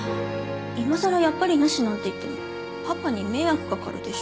今さらやっぱりなしなんて言ってもパパに迷惑かかるでしょ。